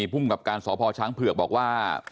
เผ็ดมูนีพุ่งกับการสอบพอช้างเผือกบอกว่า